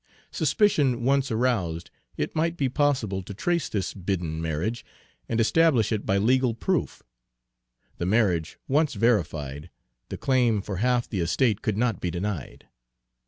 Suspicion once aroused, it might be possible to trace this hidden marriage, and establish it by legal proof. The marriage once verified, the claim for half the estate could not be denied.